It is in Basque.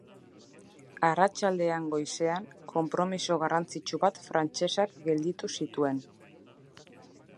Arratsaldean goizean, konpromiso garrantzitsu bat frantsesak gelditu zituen.